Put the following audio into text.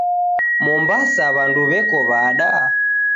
Mombasa w'andu weko w'ada?